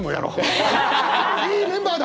いいメンバーだ！